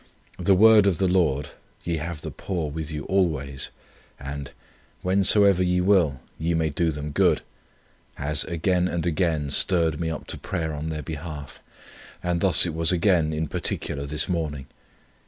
The word of our Lord: 'Ye have the poor with you always,' and 'whensoever ye will ye may do them good,' has again and again stirred me up to prayer on their behalf, and thus it was again in particular this morning.